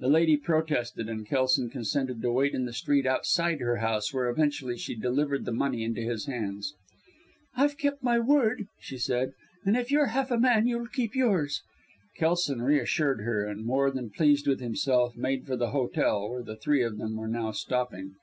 The lady protested, and Kelson consented to wait in the street outside her house, where, eventually, she delivered the money into his hands. "I've kept my word," she said, "and if you're half a man you'll keep yours." Kelson reassured her, and more than pleased with himself, made for the hotel, where the three of them were now stopping.